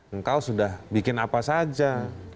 engkau sudah bikin apa saja